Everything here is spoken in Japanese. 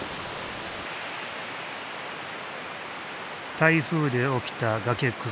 台風で起きた崖崩れ。